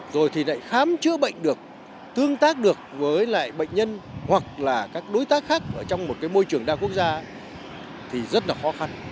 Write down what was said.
rồi thì lại khám chữa bệnh được tương tác được với lại bệnh nhân hoặc là các đối tác khác trong một môi trường đa quốc gia thì rất là khó khăn